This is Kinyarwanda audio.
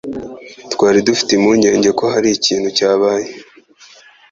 Twari dufite impungenge ko hari ikintu cyabaye.